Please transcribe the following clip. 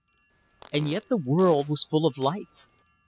And yet the world was full of life.